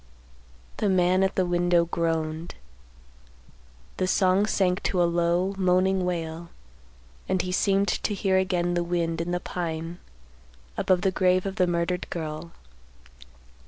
The man at the window groaned. The song sank to a low, moaning wail, and he seemed to hear again the wind in the pine above the grave of the murdered girl.